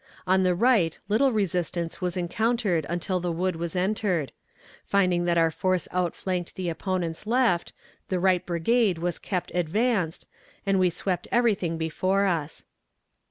On the right little resistance was encountered until the wood was entered. Finding that our force outflanked the opponent's left, the right brigade was kept advanced, and we swept everything before us.